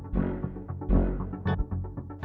tidak ada pertanyaan